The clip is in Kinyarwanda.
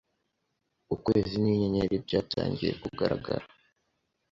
ukwezi n’inyenyeri byatangiye kugaragara